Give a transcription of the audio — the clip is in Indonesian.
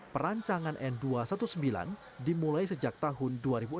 perancangan n dua ratus sembilan belas dimulai sejak tahun dua ribu enam belas